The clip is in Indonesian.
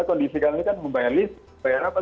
kondisi kan membayar list bayar apa